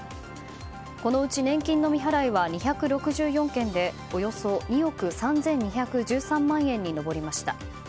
このうち年金の未払いは２６４件でおよそ２億３２１３万円に上りました。